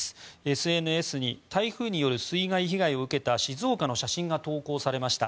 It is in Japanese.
ＳＮＳに台風による水害被害を受けた静岡の写真が投稿されました。